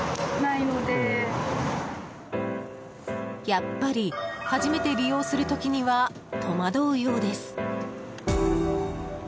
やっぱり初めて利用する時には戸惑うようです。